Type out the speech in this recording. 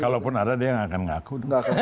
kalaupun ada dia yang akan ngaku